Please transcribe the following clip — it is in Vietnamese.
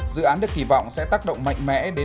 dự án được kỳ vọng sẽ tác động mạnh mẽ đến